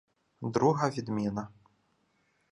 Друга відміна